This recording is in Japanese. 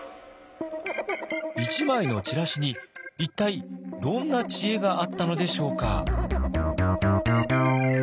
１枚のチラシに一体どんな知恵があったのでしょうか？